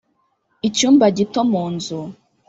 icyumba gito mu nzu